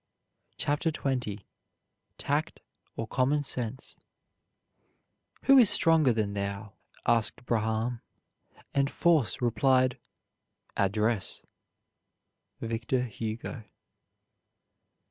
CHAPTER XX TACT OR COMMON SENSE "Who is stronger than thou?" asked Braham; and Force replied "Address." VICTOR HUGO.